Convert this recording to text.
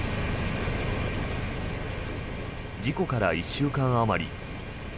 事故から１週間あまり。